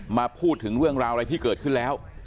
มาพูดถึงเรื่องราวอะไรที่เกิดขึ้นแล้ว